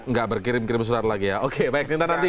nggak berkirim kirim surat lagi ya oke baik nanti